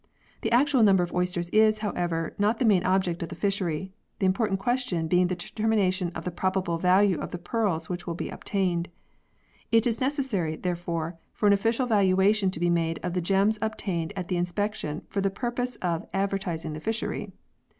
The actual number of oysters is, however, not the main object of the fishery, the important question being the determination of the probable value of the pearls which will be obtained. It is necessary, there fore, for an official valuation to be made of the gems obtained at the inspection for the purpose of ad vertising the fishery.